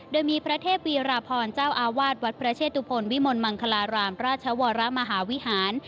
โดยมีพระเทพวีราพรเจ้าอาวาสวัดพระเชตุพลวิมลมังคลารามราชวรมหาวิหาร